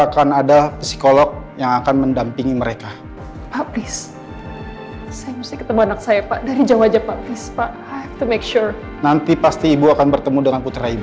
kadum kadum dengerin kenntor ama aku sekarang